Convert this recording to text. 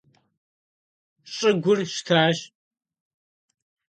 Щӏыгур щтащ.